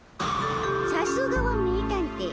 さすがは名探偵。